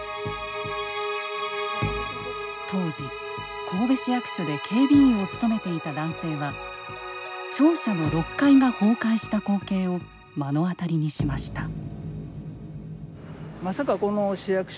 当時神戸市役所で警備員を務めていた男性は庁舎の６階が崩壊した光景を目の当たりにしました。